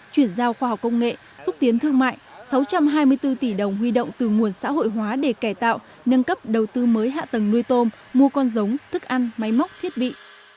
chuyển giao khoa học công nghệ xúc tiến thương mại sáu trăm hai mươi bốn tỷ đồng huy động từ nguồn xã hội hóa để kẻ tạo nâng cấp đầu tư mới hạ tầng nuôi tôm mua con giống thức ăn máy móc thiết bị